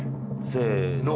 せの。